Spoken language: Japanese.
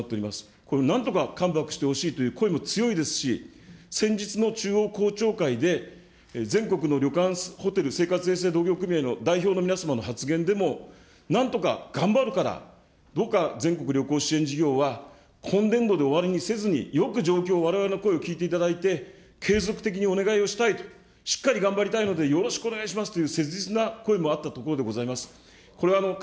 これなんとかカムバックしてほしいという声も強いですし、先日の中央公聴会で、全国の旅館・ホテル生活衛生同業組合の代表の皆様の発言でも、なんとか頑張るから、どうか全国旅行支援事業は今年度で終わりにせずに、よく状況、われわれの声を聞いていただいて、継続的にお願いをしたいと、しっかり頑張りたいのでよろしくお願いしますという、切実な声もあったところでございます。